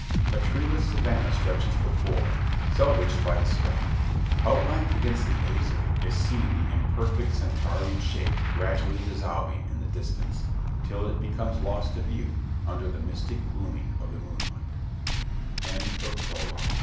A treeless savannah stretches before selvedged by the sky. Outlined against the azure is seen the imperfect centaurean shape gradually dissolving in the distance, till it becomes lost to view, under the mystic gloaming of the moonlight! CHAPTER ONE.